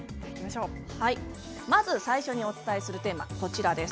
まず、最初にお伝えするテーマはこちらです。